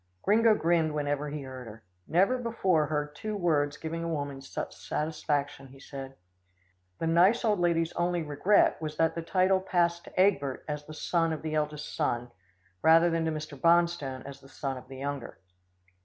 Gringo grinned whenever he heard her. "Never before heard of two words giving a woman such satisfaction," he said. The nice old lady's only regret was that the title passed to Egbert as the son of the eldest son, rather than to Mr. Bonstone as the son of the younger.